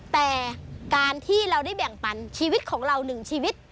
แต่การที่เราได้แบ่งปันชีวิตของเราหนึ่งชีวิต